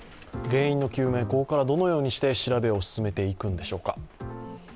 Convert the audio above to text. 原因の究明、ここからどのようにして調べを進めていくんでしょうか。